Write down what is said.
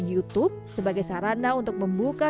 youtube sebagai sarana untuk membuka